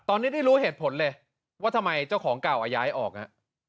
ตอนนี้ได้รู้เหตุผลเลยว่าทำไมเจ้าของเก่าอ่ะย้ายออกฮะ